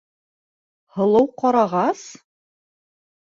— Һылыу ҡарағас?!